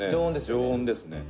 常温ですね」